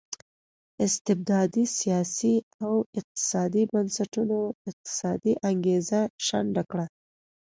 استبدادي سیاسي او اقتصادي بنسټونو اقتصادي انګېزه شنډه کړه.